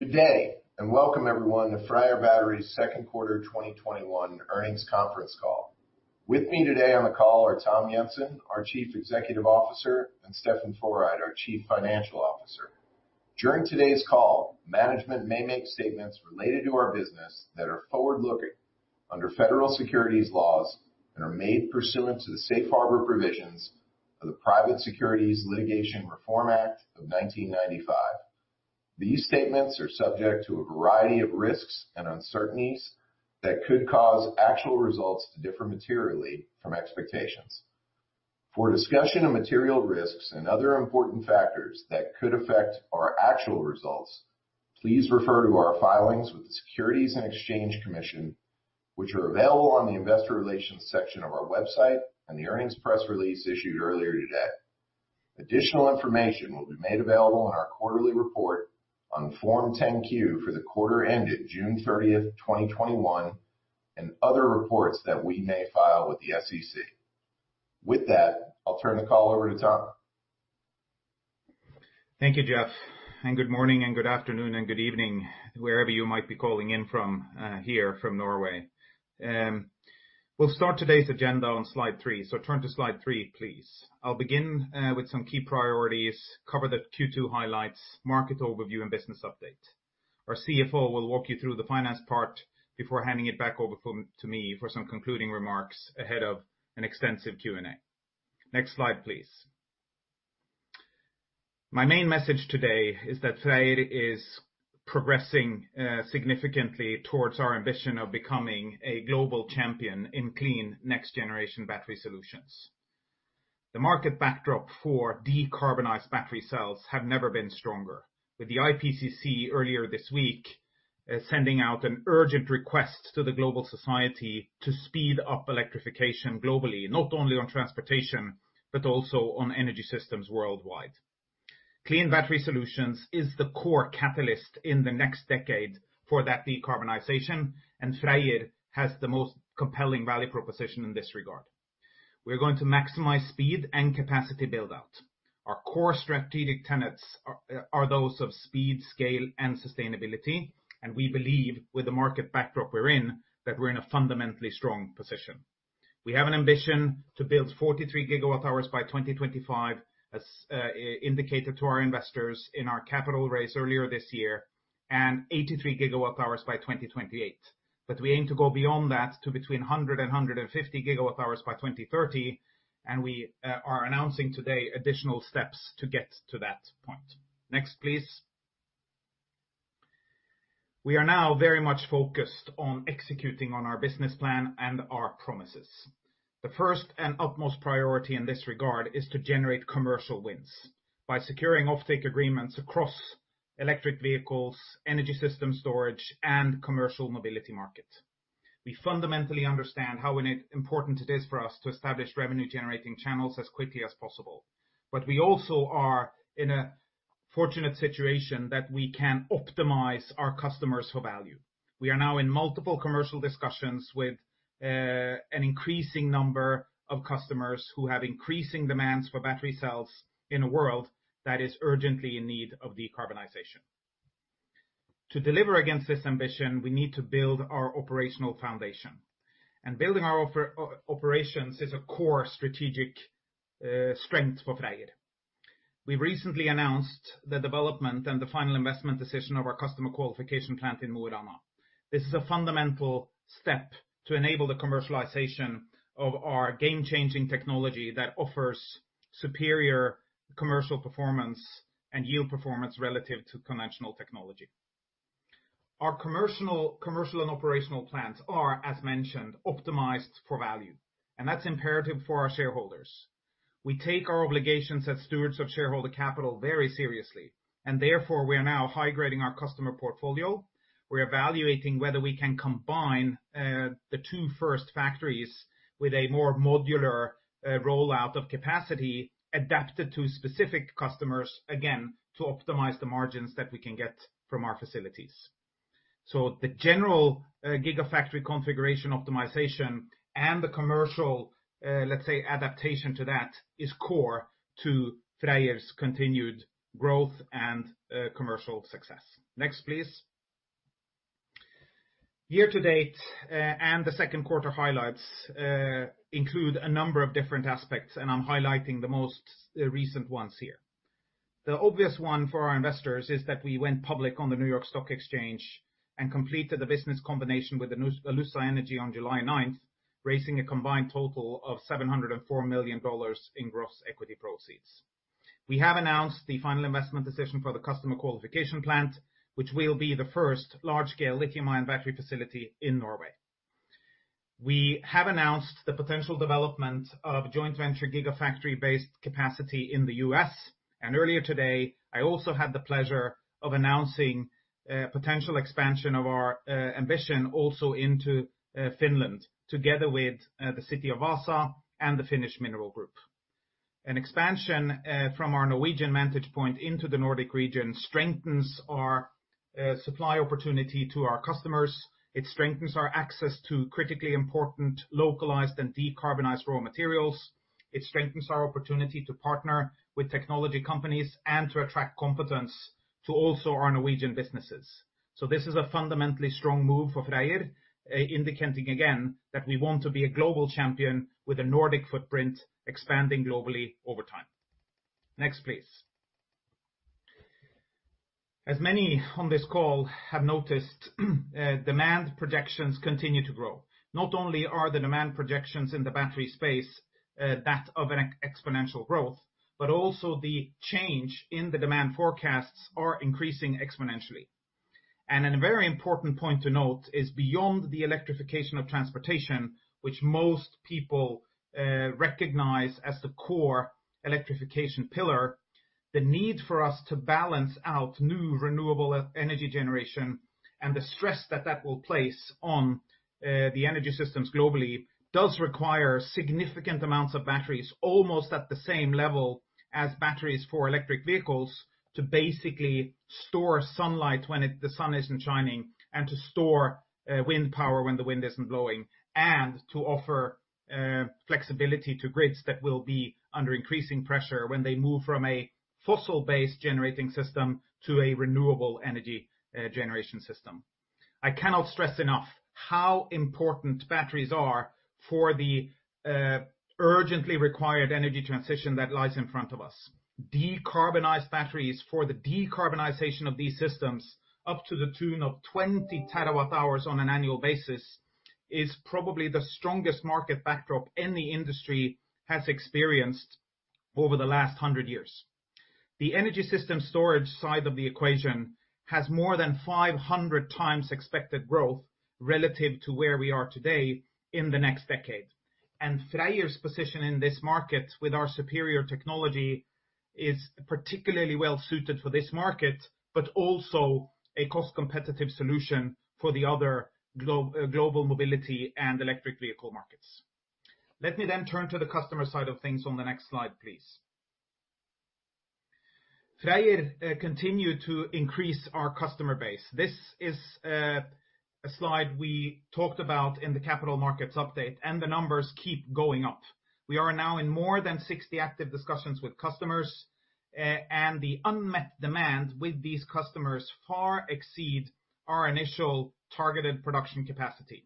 Good day, and welcome everyone to FREYR Battery's second quarter 2021 earnings conference call. With me today on the call are Tom Einar Jensen, our Chief Executive Officer, and Steffen Føreid, our Chief Financial Officer. During today's call, management may make statements related to our business that are forward-looking under Federal Securities Laws and are made pursuant to the safe harbor provisions of the Private Securities Litigation Reform Act of 1995. These statements are subject to a variety of risks and uncertainties that could cause actual results to differ materially from expectations. For a discussion of material risks and other important factors that could affect our actual results, please refer to our filings with the Securities and Exchange Commission, which are available on the investor relations section of our website and the earnings press release issued earlier today. Additional information will be made available in our quarterly report on Form 10-Q for the quarter ended June 30th, 2021 and other reports that we may file with the SEC. With that, I'll turn the call over to Tom. Thank you, Jeff. Good morning, good afternoon, and good evening, wherever you might be calling in from, here from Norway. We'll start today's agenda on slide 3. Turn to slide 3, please. I'll begin with some key priorities, cover the Q2 highlights, market overview, and business update. Our CFO will walk you through the finance part before handing it back over to me for some concluding remarks ahead of an extensive Q&A. Next slide, please. My main message today is that FREYR is progressing significantly towards our ambition of becoming a global champion in clean next-generation battery solutions. The market backdrop for decarbonized battery cells have never been stronger. With the IPCC earlier this week sending out an urgent request to the global society to speed up electrification globally, not only on transportation but also on energy systems worldwide. Clean battery solutions is the core catalyst in the next decade for that decarbonization. FREYR has the most compelling value proposition in this regard. We're going to maximize speed and capacity build-out. Our core strategic tenets are those of speed, scale, and sustainability. We believe with the market backdrop we're in, that we're in a fundamentally strong position. We have an ambition to build 43 GWh by 2025, as indicated to our investors in our capital raise earlier this year, and 83 GWh by 2028. We aim to go beyond that to between 100 and 150 GWh by 2030, and we are announcing today additional steps to get to that point. Next, please. We are now very much focused on executing on our business plan and our promises. The first and utmost priority in this regard is to generate commercial wins by securing offtake agreements across electric vehicles, energy system storage, and commercial mobility market. We fundamentally understand how important it is for us to establish revenue-generating channels as quickly as possible. We also are in a fortunate situation that we can optimize our customers for value. We are now in multiple commercial discussions with an increasing number of customers who have increasing demands for battery cells in a world that is urgently in need of decarbonization. To deliver against this ambition, we need to build our operational foundation, and building our operations is a core strategic strength for FREYR. We recently announced the development and the final investment decision of our customer qualification plant in Mo i Rana. This is a fundamental step to enable the commercialization of our game-changing technology that offers superior commercial performance and yield performance relative to conventional technology. Our commercial and operational plants are, as mentioned, optimized for value, and that's imperative for our shareholders. We take our obligations as stewards of shareholder capital very seriously, and therefore, we are now high-grading our customer portfolio. We're evaluating whether we can combine the two first factories with a more modular rollout of capacity adapted to specific customers, again, to optimize the margins that we can get from our facilities. The general gigafactory configuration optimization and the commercial, let's say, adaptation to that is core to FREYR's continued growth and commercial success. Next, please. Year to date, and the second quarter highlights include a number of different aspects, and I'm highlighting the most recent ones here. The obvious one for our investors is that we went public on the New York Stock Exchange and completed the business combination with the Alussa Energy on July 9th, raising a combined total of $704 million in gross equity proceeds. We have announced the final investment decision for the customer qualification plant, which will be the first large-scale lithium-ion battery facility in Norway. We have announced the potential development of joint venture Gigafactory-based capacity in the U.S., and earlier today, I also had the pleasure of announcing potential expansion of our ambition also into Finland together with the City of Vaasa and the Finnish Minerals Group. An expansion from our Norwegian vantage point into the Nordic region strengthens our supply opportunity to our customers. It strengthens our access to critically important localized and decarbonized raw materials. It strengthens our opportunity to partner with technology companies and to attract competence to also our Norwegian businesses. This is a fundamentally strong move for FREYR, indicating again that we want to be a global champion with a Nordic footprint, expanding globally over time. Next, please. As many on this call have noticed, demand projections continue to grow. Not only are the demand projections in the battery space that of an exponential growth, but also the change in the demand forecasts are increasing exponentially. A very important point to note is beyond the electrification of transportation, which most people recognize as the core electrification pillar, the need for us to balance out new renewable energy generation and the stress that that will place on the energy systems globally does require significant amounts of batteries, almost at the same level as batteries for electric vehicles, to basically store sunlight when the sun isn't shining, and to store wind power when the wind isn't blowing. To offer flexibility to grids that will be under increasing pressure when they move from a fossil-based generating system to a renewable energy generation system. I cannot stress enough how important batteries are for the urgently required energy transition that lies in front of us. Decarbonized batteries for the decarbonization of these systems, up to the tune of 20 terawatt-hours on an annual basis, is probably the strongest market backdrop any industry has experienced over the last 100 years. The energy system storage side of the equation has more than 500x expected growth relative to where we are today in the next decade. FREYR's position in this market with our superior technology is particularly well-suited for this market, but also a cost-competitive solution for the other global mobility and electric vehicle markets. Let me then turn to the customer side of things on the next slide, please. FREYR continue to increase our customer base. This is a slide we talked about in the capital markets update, and the numbers keep going up. We are now in more than 60 active discussions with customers, and the unmet demand with these customers far exceed our initial targeted production capacity.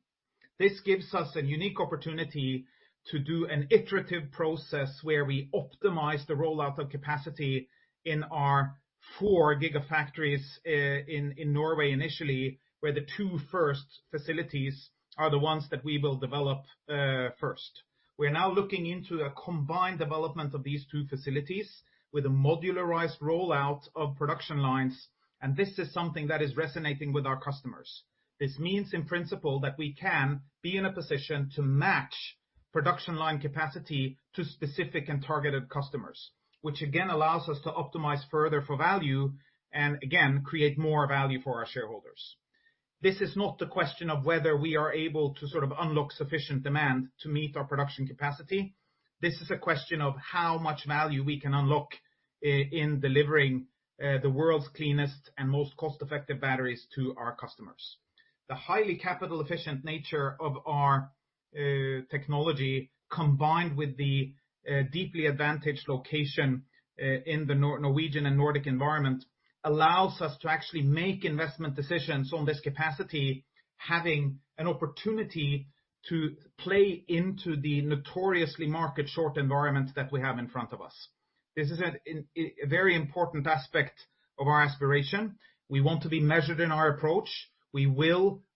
This gives us a unique opportunity to do an iterative process where we optimize the rollout of capacity in our four Gigafactories in Norway initially, where the two first facilities are the ones that we will develop first. We are now looking into a combined development of these two facilities with a modularized rollout of production lines, and this is something that is resonating with our customers. This means, in principle, that we can be in a position to match production line capacity to specific and targeted customers, which again, allows us to optimize further for value and, again, create more value for our shareholders. This is not a question of whether we are able to sort of unlock sufficient demand to meet our production capacity. This is a question of how much value we can unlock in delivering the world's cleanest and most cost-effective batteries to our customers. The highly capital-efficient nature of our technology, combined with the deeply advantaged location in the Norwegian and Nordic environment, allows us to actually make investment decisions on this capacity, having an opportunity to play into the notoriously market short environment that we have in front of us. This is a very important aspect of our aspiration. We want to be measured in our approach. We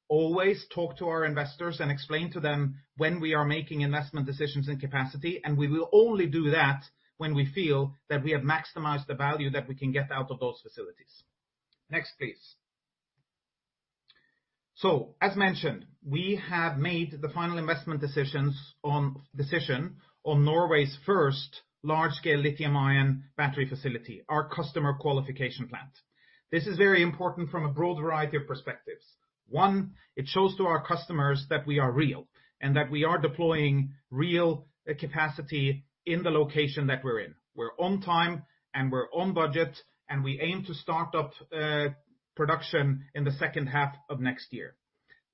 will always talk to our investors and explain to them when we are making investment decisions and capacity, and we will only do that when we feel that we have maximized the value that we can get out of those facilities. Next, please. As mentioned, we have made the final investment decision on Norway's first large-scale lithium-ion battery facility, our customer qualification plant. This is very important from a broad variety of perspectives. One, it shows to our customers that we are real and that we are deploying real capacity in the location that we're in. We're on time and we're on budget, and we aim to start up production in the second half of next year.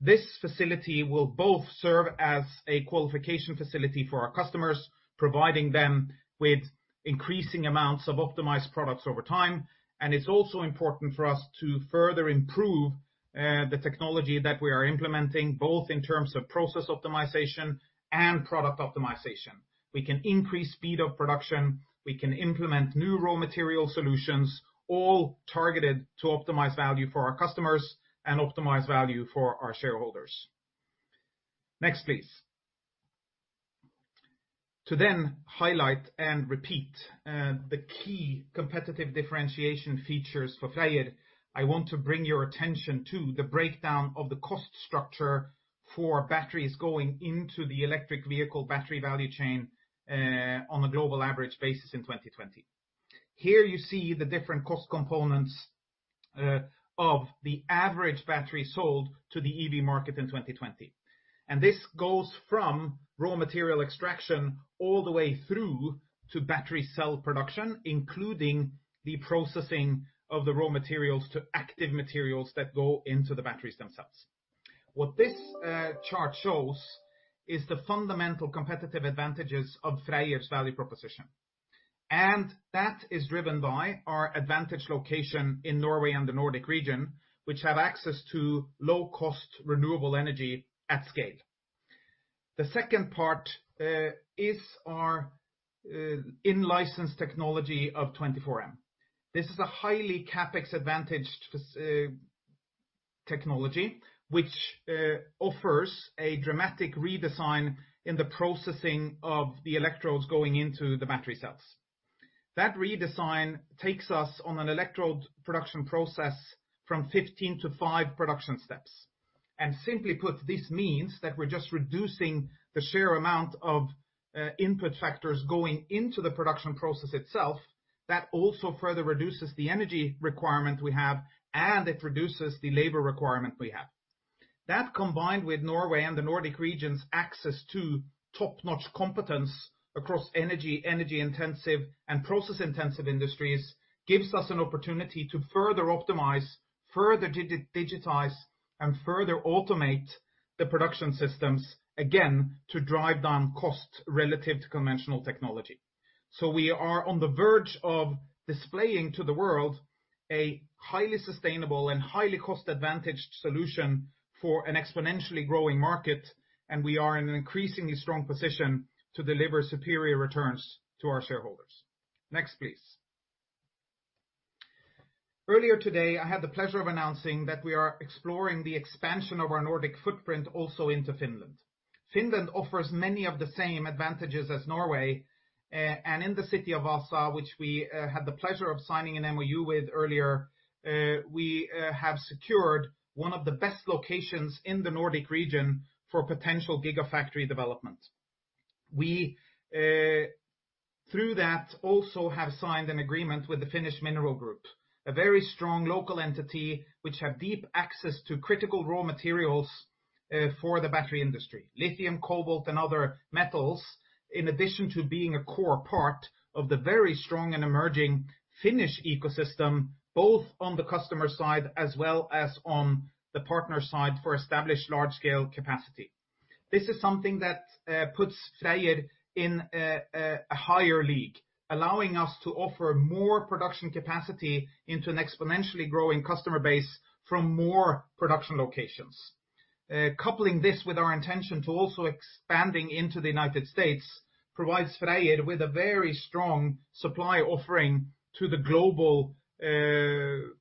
This facility will both serve as a qualification facility for our customers, providing them with increasing amounts of optimized products over time. It's also important for us to further improve the technology that we are implementing, both in terms of process optimization and product optimization. We can increase speed of production. We can implement new raw material solutions, all targeted to optimize value for our customers and optimize value for our shareholders. Next, please. To highlight and repeat the key competitive differentiation features for FREYR, I want to bring your attention to the breakdown of the cost structure for batteries going into the electric vehicle battery value chain on a global average basis in 2020. Here you see the different cost components of the average battery sold to the EV market in 2020. This goes from raw material extraction all the way through to battery cell production, including the processing of the raw materials to active materials that go into the batteries themselves. What this chart shows is the fundamental competitive advantages of FREYR's value proposition. That is driven by our advantage location in Norway and the Nordic region, which have access to low-cost renewable energy at scale. The second part is our in-license technology of 24M. This is a highly CapEx advantaged technology, which offers a dramatic redesign in the processing of the electrodes going into the battery cells. That redesign takes us on an electrode production process from 15 to 5 production steps. Simply put, this means that we're just reducing the sheer amount of input factors going into the production process itself. That also further reduces the energy requirement we have, and it reduces the labor requirement we have. That combined with Norway and the Nordic region's access to top-notch competence across energy-intensive, and process-intensive industries, gives us an opportunity to further optimize, further digitize, and further automate the production systems, again, to drive down cost relative to conventional technology. We are on the verge of displaying to the world a highly sustainable and highly cost-advantaged solution for an exponentially growing market, and we are in an increasingly strong position to deliver superior returns to our shareholders. Next, please. Earlier today, I had the pleasure of announcing that we are exploring the expansion of our Nordic footprint also into Finland. Finland offers many of the same advantages as Norway. In the city of Vaasa, which we had the pleasure of signing an MoU with earlier, we have secured one of the best locations in the Nordic region for potential Gigafactory development. We, through that, also have signed an agreement with the Finnish Minerals Group, a very strong local entity which have deep access to critical raw materials for the battery industry. Lithium, cobalt, and other metals, in addition to being a core part of the very strong and emerging Finnish ecosystem, both on the customer side as well as on the partner side for established large scale capacity. This is something that puts FREYR in a higher league, allowing us to offer more production capacity into an exponentially growing customer base from more production locations. Coupling this with our intention to also expanding into the U.S. provides FREYR with a very strong supply offering to the global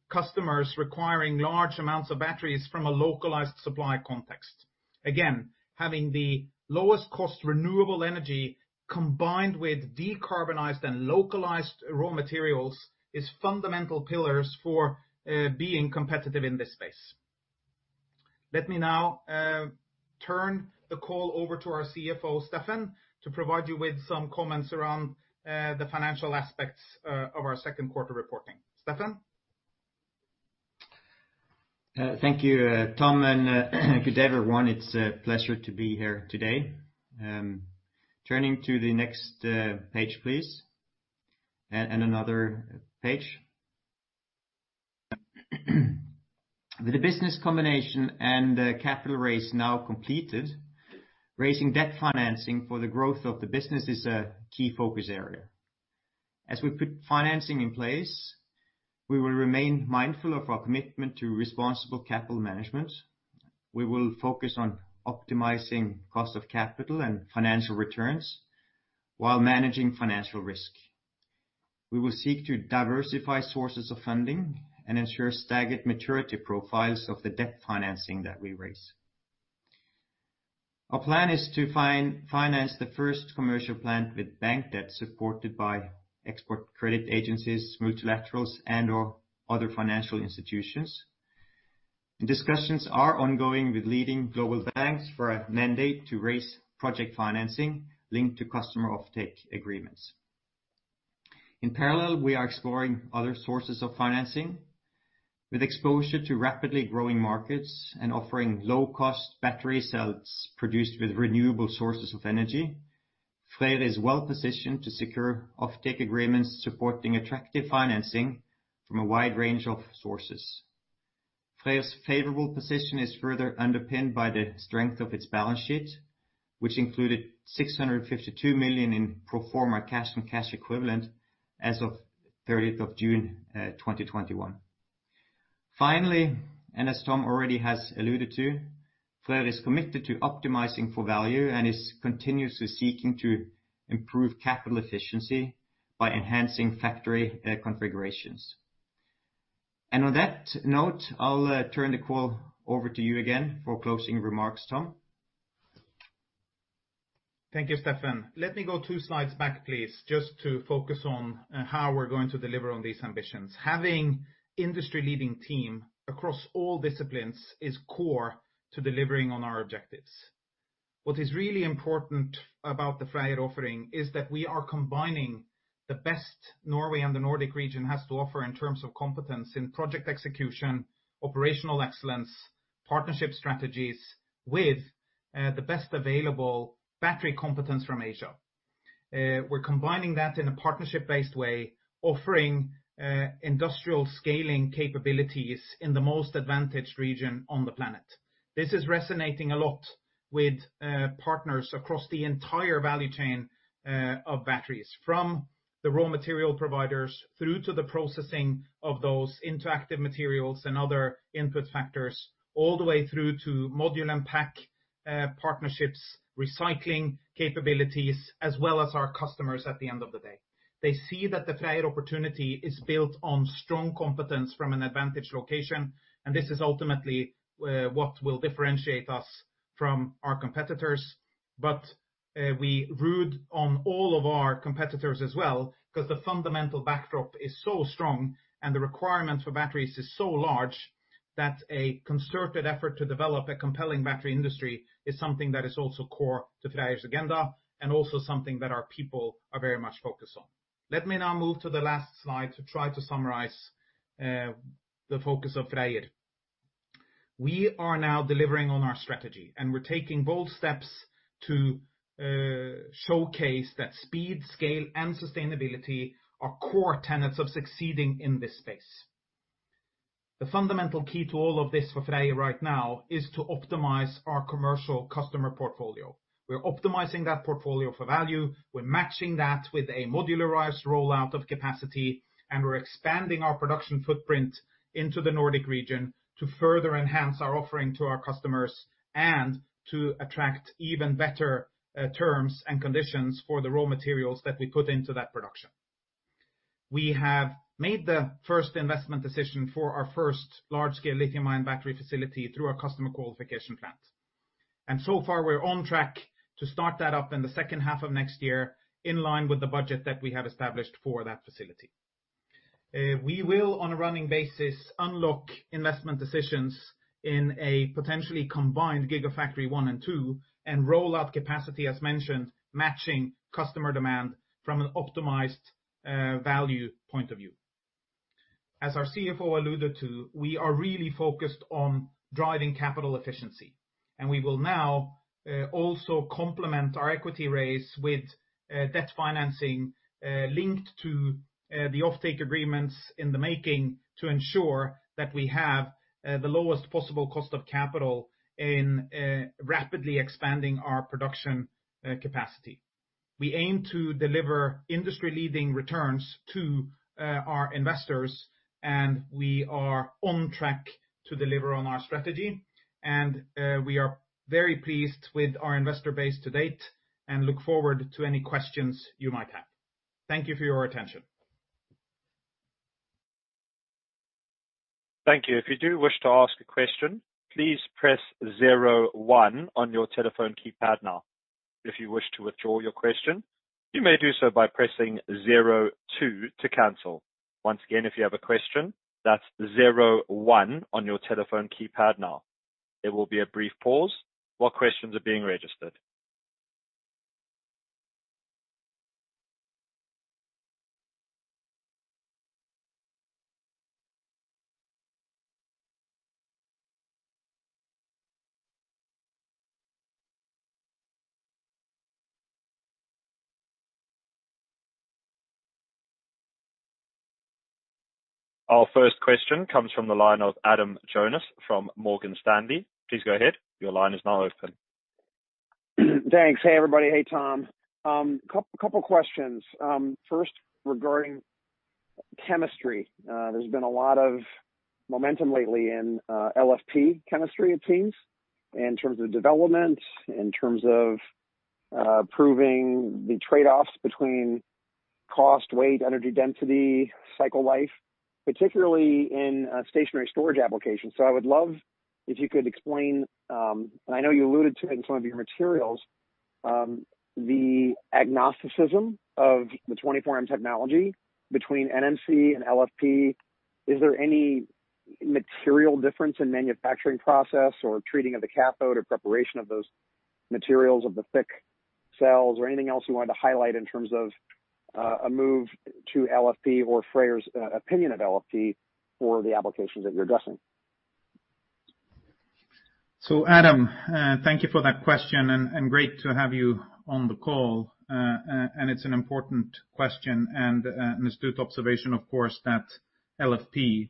customers requiring large amounts of batteries from a localized supply context. Again, having the lowest cost renewable energy combined with decarbonized and localized raw materials is fundamental pillars for being competitive in this space. Let me now turn the call over to our CFO, Steffen, to provide you with some comments around the financial aspects of our second quarter reporting. Steffen? Thank you, Tom, and good day, everyone. It's a pleasure to be here today. Turning to the next page, please. Another page. With the business combination and the capital raise now completed, raising debt financing for the growth of the business is a key focus area. As we put financing in place, we will remain mindful of our commitment to responsible capital management. We will focus on optimizing cost of capital and financial returns while managing financial risk. We will seek to diversify sources of funding and ensure staggered maturity profiles of the debt financing that we raise. Our plan is to finance the first commercial plant with bank debt supported by export credit agencies, multilaterals, and/or other financial institutions. Discussions are ongoing with leading global banks for a mandate to raise project financing linked to customer offtake agreements. In parallel, we are exploring other sources of financing. With exposure to rapidly growing markets and offering low-cost battery cells produced with renewable sources of energy, FREYR is well positioned to secure offtake agreements supporting attractive financing from a wide range of sources. FREYR's favorable position is further underpinned by the strength of its balance sheet, which included $652 million in pro forma cash and cash equivalent as of 30th of June 2021. Finally, as Tom already has alluded to, FREYR is committed to optimizing for value and is continuously seeking to improve capital efficiency by enhancing factory configurations. On that note, I'll turn the call over to you again for closing remarks, Tom. Thank you, Steffen. Let me go two slides back, please, just to focus on how we're going to deliver on these ambitions. Having industry leading team across all disciplines is core to delivering on our objectives. What is really important about the FREYR offering is that we are combining the best Norway and the Nordic region has to offer in terms of competence in project execution, operational excellence, partnership strategies, with the best available battery competence from Asia. We're combining that in a partnership-based way, offering industrial scaling capabilities in the most advantaged region on the planet. This is resonating a lot with partners across the entire value chain of batteries, from the raw material providers through to the processing of those interactive materials and other input factors, all the way through to module and pack partnerships, recycling capabilities, as well as our customers at the end of the day. They see that the FREYR opportunity is built on strong competence from an advantage location. This is ultimately what will differentiate us from our competitors. We root on all of our competitors as well, because the fundamental backdrop is so strong and the requirement for batteries is so large, that a concerted effort to develop a compelling battery industry is something that is also core to FREYR's agenda and also something that our people are very much focused on. Let me now move to the last slide to try to summarize the focus of FREYR. We are now delivering on our strategy. We're taking bold steps to showcase that speed, scale and sustainability are core tenets of succeeding in this space. The fundamental key to all of this for FREYR right now is to optimize our commercial customer portfolio. We're optimizing that portfolio for value. We're matching that with a modularized rollout of capacity, and we're expanding our production footprint into the Nordic region to further enhance our offering to our customers and to attract even better terms and conditions for the raw materials that we put into that production. We have made the first investment decision for our first large-scale lithium-ion battery facility through our customer qualification plant. So far, we're on track to start that up in the second half of next year, in line with the budget that we have established for that facility. We will, on a running basis, unlock investment decisions in a potentially combined Gigafactory 1 and 2, and roll out capacity, as mentioned, matching customer demand from an optimized value point of view. As our CFO alluded to, we are really focused on driving capital efficiency, and we will now also complement our equity raise with debt financing linked to the offtake agreements in the making to ensure that we have the lowest possible cost of capital in rapidly expanding our production capacity. We aim to deliver industry leading returns to our investors, and we are on track to deliver on our strategy. We are very pleased with our investor base to date and look forward to any questions you might have. Thank you for your attention. Thank you. If you do wish to ask a question, please press zero one on your telephone keypad now. If you wish to withdraw your question, you may do so by pressing zero two to cancel. Once again, if you have a question, that's zero one on your telephone keypad now. There will be a brief pause while questions are being registered. Our first question comes from the line of Adam Jonas from Morgan Stanley. Please go ahead. Your line is now open. Thanks. Hey, everybody. Hey, Tom. Couple of questions. First, regarding chemistry. There's been a lot of momentum lately in LFP chemistry, it seems, in terms of development, in terms of proving the trade-offs between cost, weight, energy density, cycle life, particularly in stationary storage applications. I would love if you could explain, and I know you alluded to it in some of your materials, the agnosticism of the 24M technology between NMC and LFP. Is there any material difference in manufacturing process or treating of the cathode or preparation of those materials of the thick cells or anything else you wanted to highlight in terms of a move to LFP or FREYR's opinion of LFP for the applications that you're addressing? So Adam, thank you for that question and great to have you on the call. It's an important question and an astute observation, of course, that LFP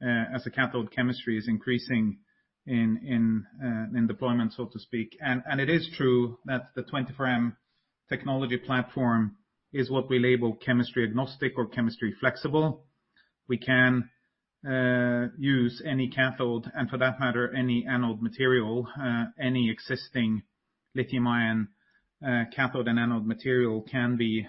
as a cathode chemistry is increasing in deployment, so to speak. It is true that the 24M technology platform is what we label chemistry agnostic or chemistry flexible. We can use any cathode and for that matter, any anode material, any existing lithium-ion cathode and anode material can be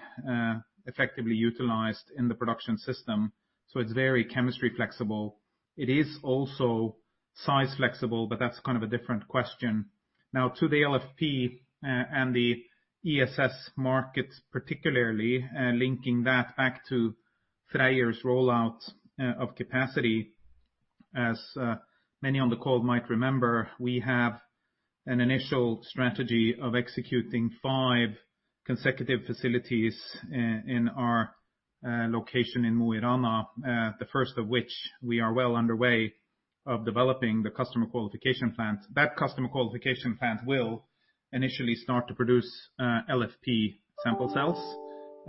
effectively utilized in the production system. It's very chemistry flexible. It is also size flexible, but that's kind of a different question. Now to the LFP and the ESS markets particularly, linking that back to FREYR's rollout of capacity. As many on the call might remember, we have an initial strategy of executing five consecutive facilities in our location in Mo i Rana. The first of which we are well underway of developing the customer qualification plant. That customer qualification plant will initially start to produce LFP sample cells.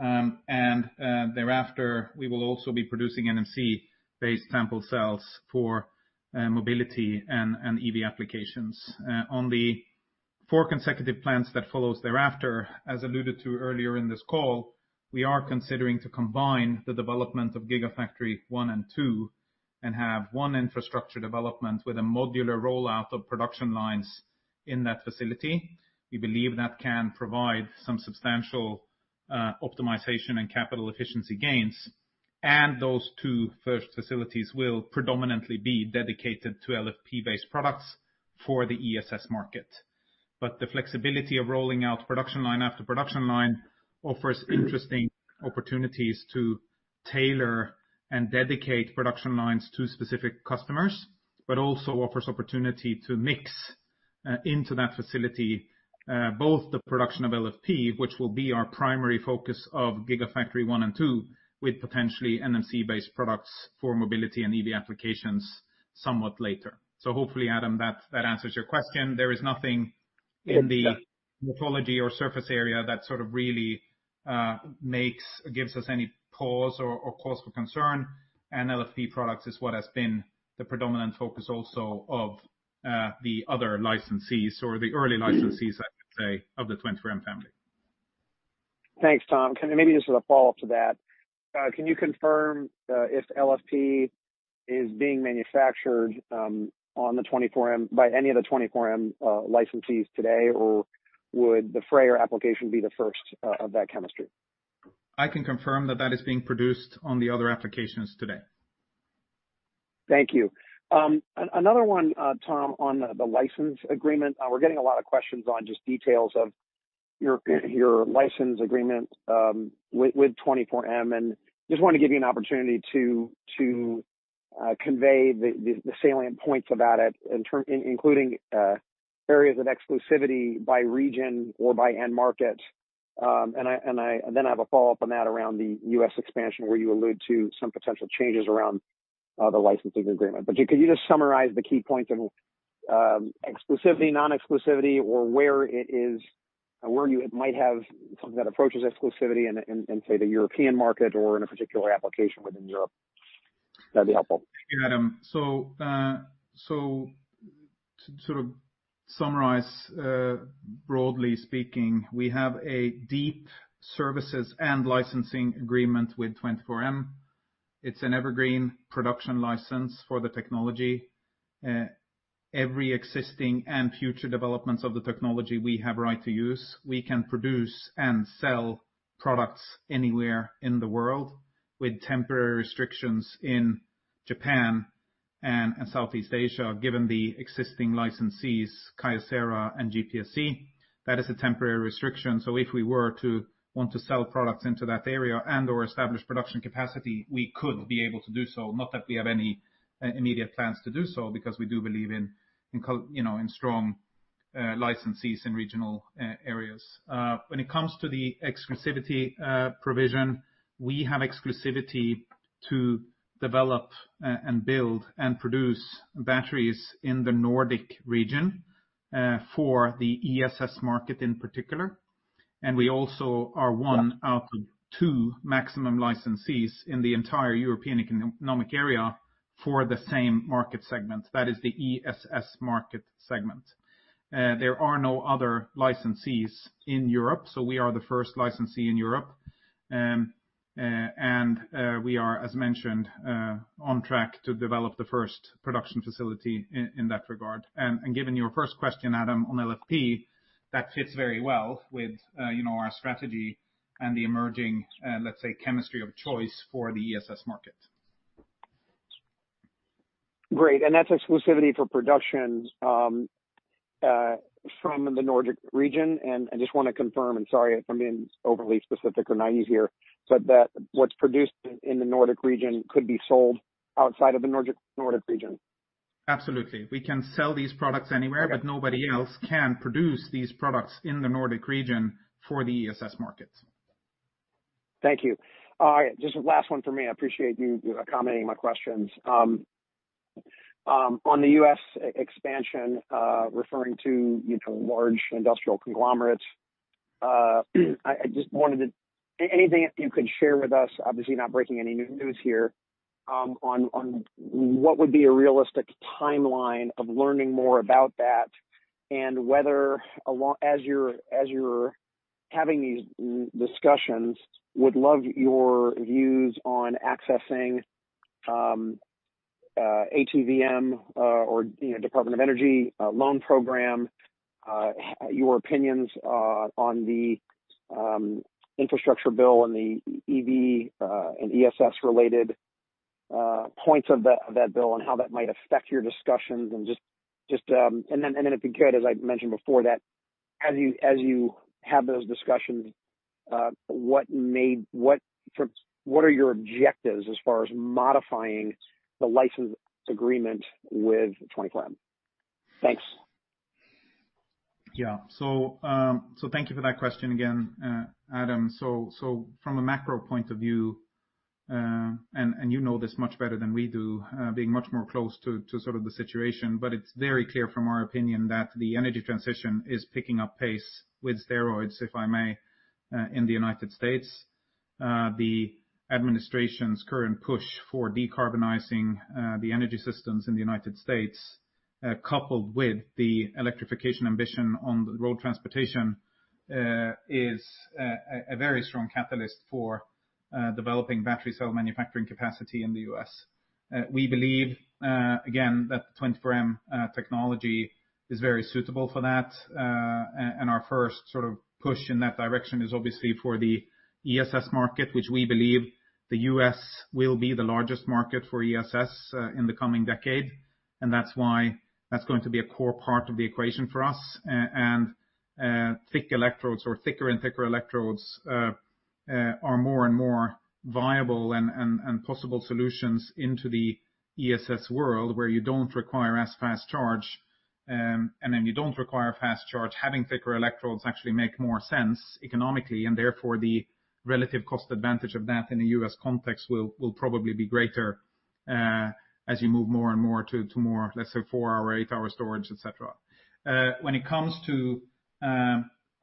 Thereafter, we will also be producing NMC-based sample cells for mobility and EV applications. On the four consecutive plants that follows thereafter, as alluded to earlier in this call, we are considering to combine the development of Gigafactory 1 and 2, and have one infrastructure development with a modular rollout of production lines in that facility. We believe that can provide some substantial optimization and capital efficiency gains. Those two first facilities will predominantly be dedicated to LFP-based products for the ESS market. The flexibility of rolling out production line after production line offers interesting opportunities to tailor and dedicate production lines to specific customers, but also offers opportunity to mix into that facility, both the production of LFP, which will be our primary focus of Gigafactory 1 and 2, with potentially NMC-based products for mobility and EV applications somewhat later. Hopefully, Adam, that answers your question. There is nothing in the morphology or surface area that sort of really gives us any pause or cause for concern. And LFP products is what has been the predominant focus also of the other licensees or the early licensees, I should say, of the 24M family. Thanks, Tom. Maybe this is a follow-up to that. Can you confirm if LFP is being manufactured by any of the 24M licensees today, or would the FREYR application be the first of that chemistry? I can confirm that that is being produced on the other applications today. Thank you. Another one, Tom, on the license agreement. We're getting a lot of questions on just details of your license agreement with 24M. Just want to give you an opportunity to convey the salient points about it, including areas of exclusivity by region or by end market. Then I have a follow-up on that around the U.S. expansion where you allude to some potential changes around the licensing agreement. Could you just summarize the key points in exclusivity, non-exclusivity or where it might have something that approaches exclusivity in, say, the European market or in a particular application within Europe? That'd be helpful. Yeah, Adam. To sort of summarize, broadly speaking, we have a deep services and licensing agreement with 24M. It's an evergreen production license for the technology. Every existing and future developments of the technology we have right to use. We can produce and sell products anywhere in the world with temporary restrictions in Japan and Southeast Asia, given the existing licensees, Kyocera and GPSC. That is a temporary restriction. If we were to want to sell products into that area and/or establish production capacity, we could be able to do so. Not that we have any immediate plans to do so, because we do believe in strong licensees in regional areas. When it comes to the exclusivity provision, we have exclusivity to develop and build and produce batteries in the Nordic region for the ESS market in particular. We also are one out of two maximum licensees in the entire European Economic Area for the same market segment, that is the ESS market segment. There are no other licensees in Europe. We are the first licensee in Europe. We are, as mentioned, on track to develop the first production facility in that regard. Given your first question, Adam, on LFP, that fits very well with our strategy and the emerging, let's say, chemistry of choice for the ESS market. Great. That's exclusivity for production from the Nordic region. I just want to confirm, and sorry if I'm being overly specific or naive here, but that what's produced in the Nordic region could be sold outside of the Nordic region. Absolutely. We can sell these products anywhere, but nobody else can produce these products in the Nordic region for the ESS market. Thank you. All right. Just last one from me. I appreciate you accommodating my questions. On the U.S. expansion, referring to large industrial conglomerates, I just wondered, anything that you could share with us, obviously not breaking any new news here, on what would be a realistic timeline of learning more about that and whether as you're having these discussions, would love your views on accessing ATVM or Department of Energy loan program, your opinions on the infrastructure bill and the EV and ESS-related points of that bill and how that might affect your discussions. If you could, as I mentioned before that as you have those discussions, what your objectives as far as modifying the license agreement with 24M? Thanks. Yeah. Thank you for that question again, Adam. From a macro point of view, and you know this much better than we do, being much more close to sort of the situation, but it's very clear from our opinion that the energy transition is picking up pace with steroids, if I may, in the U.S. The administration's current push for decarbonizing the energy systems in the U.S., coupled with the electrification ambition on the road transportation, is a very strong catalyst for developing battery cell manufacturing capacity in the U.S. We believe, again, that the 24M technology is very suitable for that. Our first sort of push in that direction is obviously for the ESS market, which we believe the U.S. will be the largest market for ESS in the coming decade. That's why that's going to be a core part of the equation for us. Thick electrodes or thicker and thicker electrodes are more and more viable and possible solutions into the ESS world where you don't require as fast charge. You don't require fast charge, having thicker electrodes actually make more sense economically, and therefore the relative cost advantage of that in the U.S. context will probably be greater, as you move more and more to more, let's say, 4-hour, 8-hour storage, et cetera. When it comes to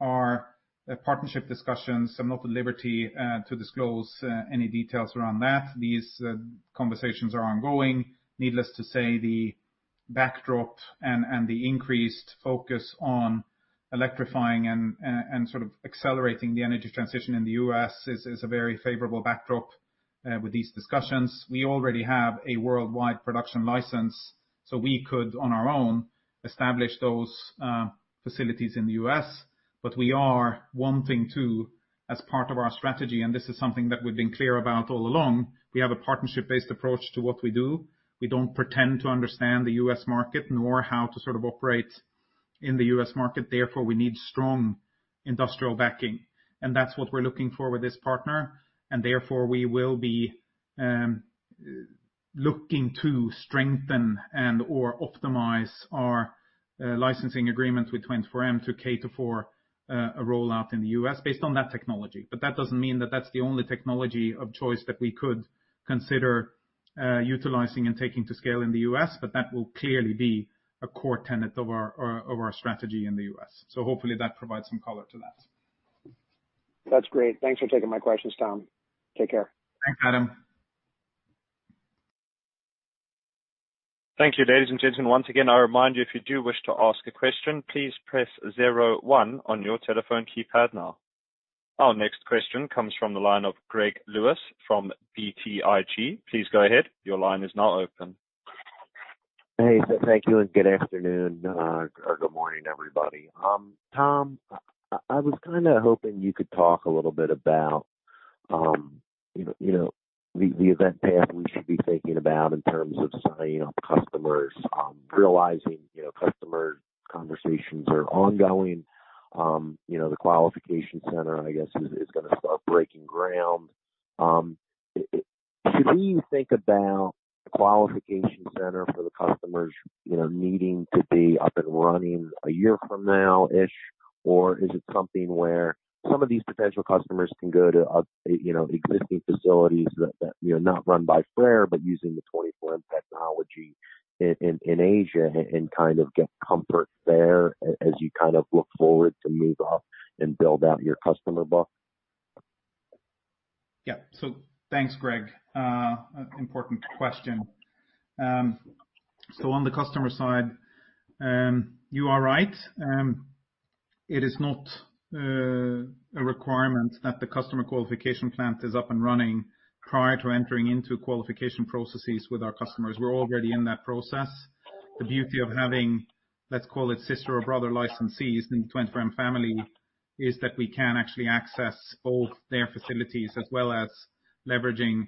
our partnership discussions, I'm not at liberty to disclose any details around that. These conversations are ongoing. Needless to say, the backdrop and the increased focus on electrifying and sort of accelerating the energy transition in the U.S. is a very favorable backdrop with these discussions. We already have a worldwide production license, so we could, on our own, establish those facilities in the U.S. We are wanting to, as part of our strategy, and this is something that we've been clear about all along, we have a partnership-based approach to what we do. We don't pretend to understand the U.S. market nor how to sort of operate in the U.S. market. Therefore, we need strong industrial backing. That's what we're looking for with this partner. Therefore, we will be looking to strengthen and/or optimize our licensing agreement with 24M to cater for a rollout in the U.S. based on that technology. That doesn't mean that that's the only technology of choice that we could consider utilizing and taking to scale in the U.S., but that will clearly be a core tenet of our strategy in the U.S. Hopefully that provides some color to that. That's great. Thanks for taking my questions, Tom. Take care. Thanks, Adam. Thank you, ladies and gentlemen. Once again, I remind you, if you do wish to ask a question, please press zero, one on your telephone keypad now. Our next question comes from the line of Gregory Lewis from BTIG. Please go ahead. Your line is now open. Thank you and good afternoon, or good morning, everybody. Tom, I was kind of hoping you could talk a little bit about the event path we should be thinking about in terms of signing up customers, realizing customer conversations are ongoing. The qualification center, I guess, is going to start breaking ground. Should we think about the qualification center for the customers needing to be up and running a year from now-ish? Is it something where some of these potential customers can go to existing facilities that, not run by FREYR, but using the 24M technology in Asia and kind of get comfort there as you kind of look forward to move up and build out your customer book? Thanks, Greg. Important question. On the customer side, you are right. It is not a requirement that the customer qualification plant is up and running prior to entering into qualification processes with our customers. We are already in that process. The beauty of having, let's call it sister or brother licensees in the 24M family, is that we can actually access both their facilities as well as leveraging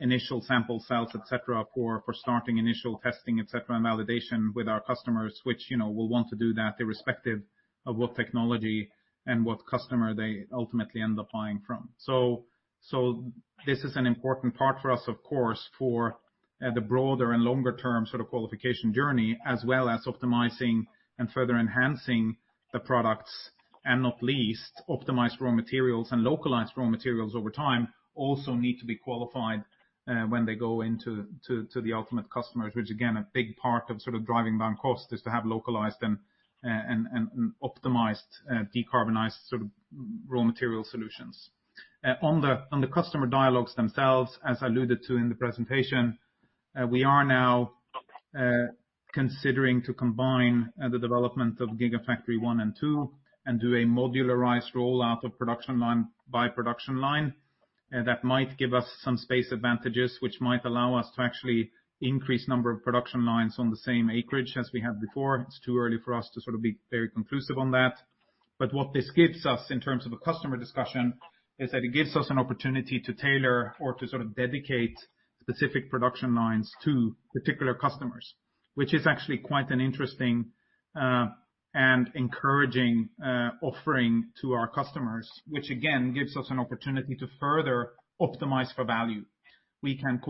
initial sample cells, et cetera, for starting initial testing, et cetera, and validation with our customers, which, will want to do that irrespective of what technology and what customer they ultimately end up buying from. This is an important part for us, of course, for the broader and longer-term sort of qualification journey, as well as optimizing and further enhancing the products, and not least optimized raw materials and localized raw materials over time also need to be qualified, when they go into the ultimate customers. Which again, a big part of sort of driving down cost is to have localized and optimized, decarbonized sort of raw material solutions. On the customer dialogues themselves, as I alluded to in the presentation, we are now considering to combine the development of Gigafactory 1 and 2 and do a modularized rollout of production line by production line. That might give us some space advantages which might allow us to actually increase number of production lines on the same acreage as we had before. It's too early for us to sort of be very conclusive on that. What this gives us in terms of a customer discussion is that it gives us an opportunity to tailor or to sort of dedicate specific production lines to particular customers, which is actually quite an interesting and encouraging offering to our customers, which again gives us an opportunity to further optimize for value. We can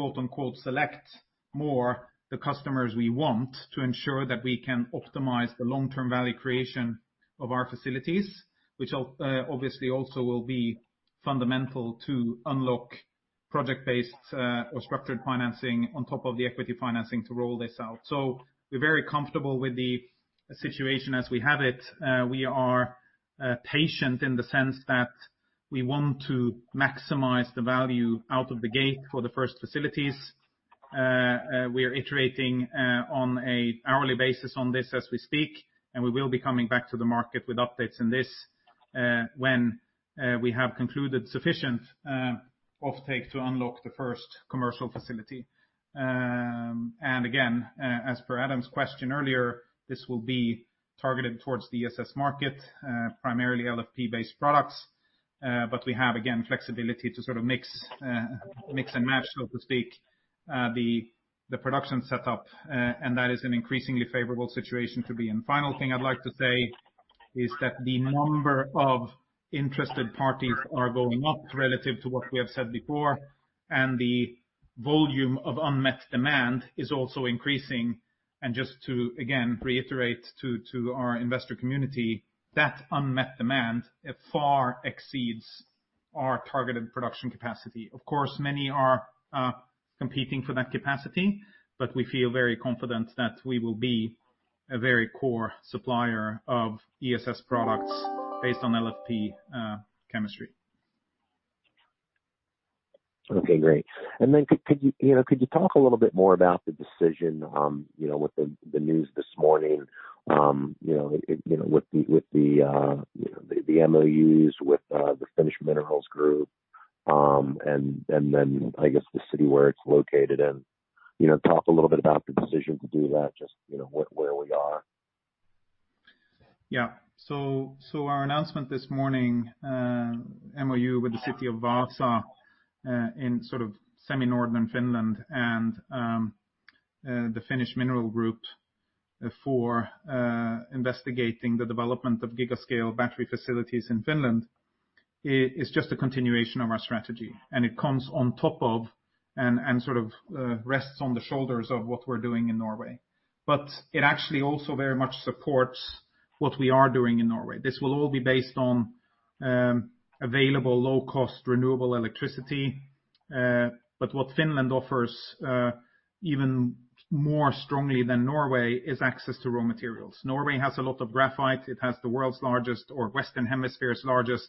select more the customers we want to ensure that we can optimize the long-term value creation of our facilities, which obviously also will be fundamental to unlock project-based or structured financing on top of the equity financing to roll this out. We're very comfortable with the situation as we have it. We are patient in the sense that we want to maximize the value out of the gate for the first facilities. We are iterating on a hourly basis on this as we speak, we will be coming back to the market with updates on this when we have concluded sufficient offtake to unlock the first commercial facility. Again, as per Adam's question earlier, this will be targeted towards the ESS market, primarily LFP-based products. We have, again, flexibility to sort of mix and match, so to speak, the production setup, that is an increasingly favorable situation to be in. Final thing I'd like to say is that the number of interested parties are going up relative to what we have said before, the volume of unmet demand is also increasing. Just to, again, reiterate to our investor community, that unmet demand far exceeds our targeted production capacity. Of course, many are competing for that capacity, but we feel very confident that we will be a very core supplier of ESS products based on LFP chemistry. Okay, great. Could you talk a little bit more about the decision with the news this morning, with the MOUs, with the Finnish Minerals Group, and then, I guess the city where it's located in? Talk a little bit about the decision to do that, just where we are? Yeah. Our announcement this morning, MOU with the City of Vaasa in sort of semi-northern Finland and the Finnish Minerals Group for investigating the development of giga scale battery facilities in Finland is just a continuation of our strategy, and it comes on top of, and sort of rests on the shoulders of what we're doing in Norway. It actually also very much supports what we are doing in Norway. This will all be based on available low-cost renewable electricity. What Finland offers even more strongly than Norway is access to raw materials. Norway has a lot of graphite. It has the world's largest, or Western Hemisphere's largest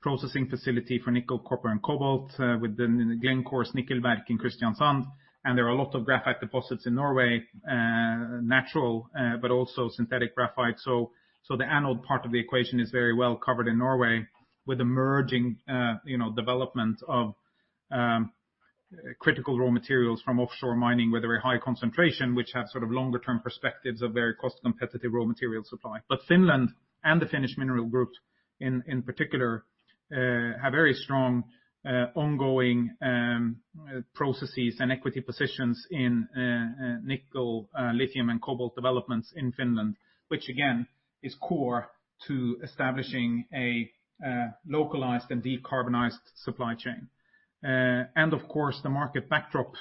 processing facility for nickel, copper, and cobalt with the Glencore's Nikkelverk in Kristiansand, and there are a lot of graphite deposits in Norway, natural but also synthetic graphite. The anode part of the equation is very well covered in Norway with emerging development of critical raw materials from offshore mining with very high concentration, which have sort of longer term perspectives of very cost competitive raw material supply. Finland and the Finnish Minerals Group in particular have very strong ongoing processes and equity positions in nickel, lithium, and cobalt developments in Finland, which again is core to establishing a localized and decarbonized supply chain. Of course, the market backdrop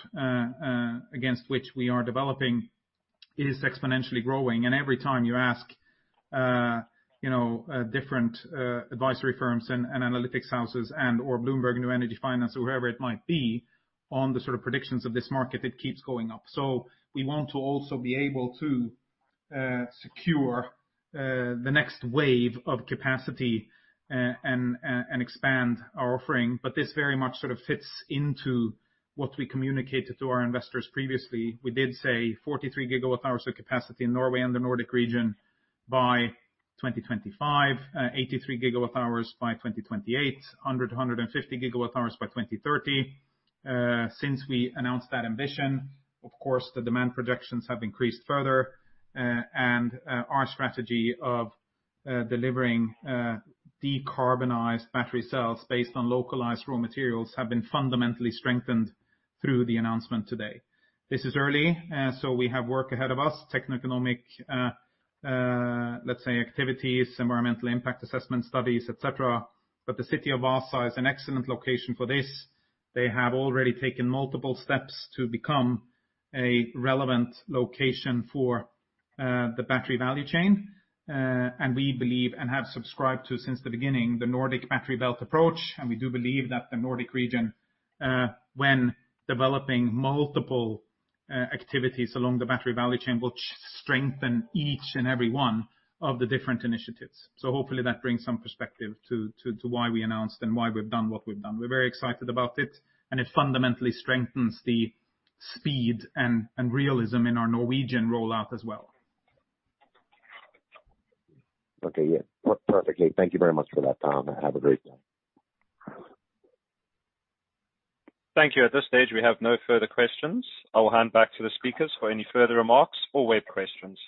against which we are developing is exponentially growing. Every time you ask different advisory firms and analytics houses and/or Bloomberg New Energy Finance or whoever it might be on the sort of predictions of this market, it keeps going up. We want to also be able to secure the next wave of capacity and expand our offering. This very much sort of fits into what we communicated to our investors previously. We did say 43 GWh of capacity in Norway and the Nordic region by 2025, 83 GWh by 2028, 100 to 150 GWh by 2030. Since we announced that ambition, of course, the demand projections have increased further, and our strategy of delivering decarbonized battery cells based on localized raw materials have been fundamentally strengthened through the announcement today. This is early, so we have work ahead of us, techno-economic, let's say, activities, environmental impact assessment studies, et cetera. The City of Vaasa is an excellent location for this. They have already taken multiple steps to become a relevant location for the battery value chain. We believe and have subscribed to, since the beginning, the Nordic battery belt approach, and we do believe that the Nordic region when developing multiple activities along the battery value chain, will strengthen each and every one of the different initiatives. Hopefully that brings some perspective to why we announced and why we've done what we've done. We're very excited about it, and it fundamentally strengthens the speed and realism in our Norwegian rollout as well. Okay. Yeah. Worked perfectly. Thank you very much for that, Tom. Have a great day. Thank you. At this stage, we have no further questions. I will hand back to the speakers for any further remarks or web questions.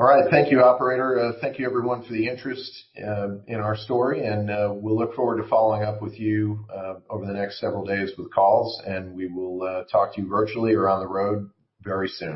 All right. Thank you, operator. Thank you everyone for the interest in our story, and we'll look forward to following up with you over the next several days with calls. We will talk to you virtually or on the road very soon.